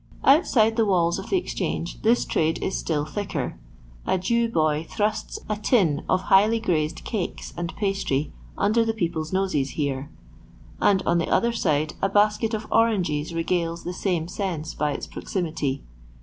Outside the walls of the Exchange this trade is still thicker. A Jew boy thrusts a tin of highly glazed cakes and pastry under the people's noses here ; and on the other side a basket of oranges regales the same sense by its proximity.